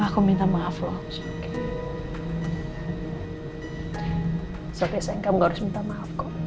soalnya sayang kamu gak harus minta maaf kok